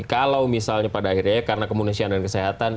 kalau misalnya pada akhirnya ya karena kemanusiaan dan kesehatan